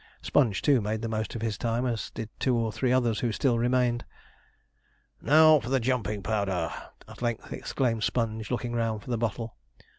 Sponge, too, made the most of his time, as did two or three others who still remained. 'Now for the jumping powder!' at length exclaimed Sponge, looking round for the bottle.